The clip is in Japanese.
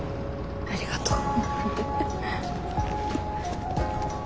ありがとう。